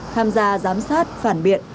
tham gia giám sát phản biện